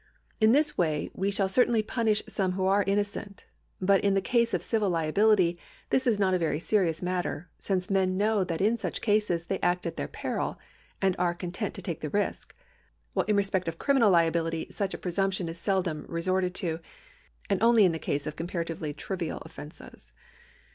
In this way we shall certainly punish some who are innocent, but in the case of civil liability this is not a very serious matter — since men know that in such cases they act at their peril, and are con tent to take the risk — while in respect of criminal liability such a presumption is seldom resorted to, and only in the case of comparatively trivial offences.